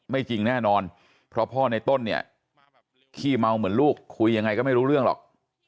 จริงแน่นอนเพราะพ่อในต้นเนี่ยขี้เมาเหมือนลูกคุยยังไงก็ไม่รู้เรื่องหรอก